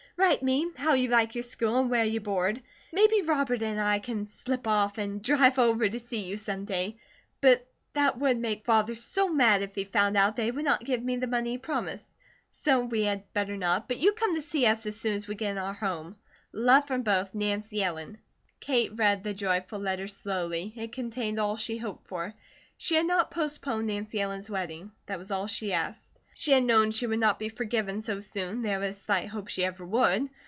Write me how you like your school, and where you board. Maybe Robert and I can slip off and drive over to see you some day. But that would make Father so mad if he found out that he would not give me the money he promised; so we had better not, but you come to see us as soon as we get in our home. Love from both, NANCY ELLEN. Kate read the joyful letter slowly. It contained all she hoped for. She had not postponed Nancy Ellen's wedding. That was all she asked. She had known she would not be forgiven so soon, there was slight hope she ever would.